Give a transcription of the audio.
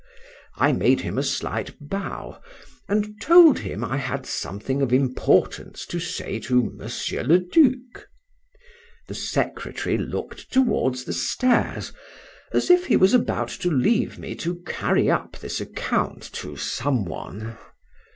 —I made him a slight bow, and told him, I had something of importance to say to Monsieur le Duc. The secretary look'd towards the stairs, as if he was about to leave me to carry up this account to some one.